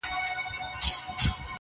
د جلا حُسن چيرمني، د جلا ښايست خاوندي,